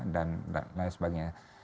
dan lain sebagainya